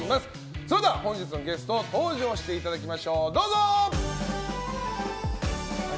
それでは、本日のゲスト登場していただきましょう。